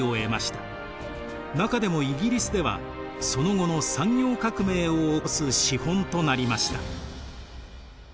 中でもイギリスではその後の産業革命をおこす資本となりました。